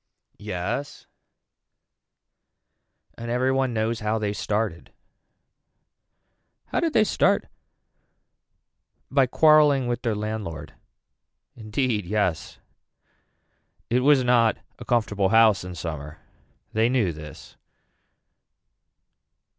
Yes and every one knows how they started. How did they start. By quarreling with their landlord. Indeed yes. It was not a comfortable house in summer. They knew this.